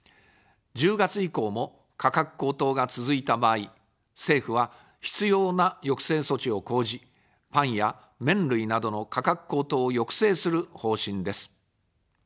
１０月以降も、価格高騰が続いた場合、政府は必要な抑制措置を講じ、パンや麺類などの価格高騰を抑制する方針です。